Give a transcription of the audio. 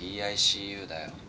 ＰＩＣＵだよ。